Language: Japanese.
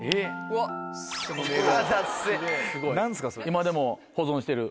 今でも保存してる？